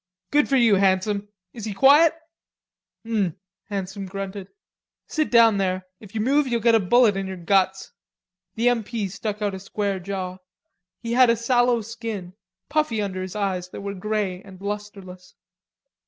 "Good for you, Handsome; is he quiet?" "Um." Handsome grunted. "Sit down there. If you move you'll git a bullet in your guts." The M. P. stuck out a square jaw; he had a sallow skin, puffy under the eyes that were grey and lustreless.